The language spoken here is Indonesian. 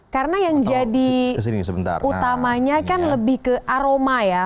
karena yang jadi utamanya kan lebih ke aroma ya